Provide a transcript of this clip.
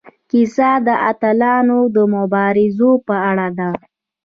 کیسه د اتلانو د مبارزو په اړه ده.